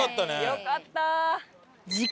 よかった。